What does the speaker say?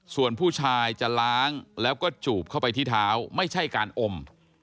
ส่วนผู้ชายจะล้างแล้วก็จูบเข้าไปที่เท้าไม่ใช่การอม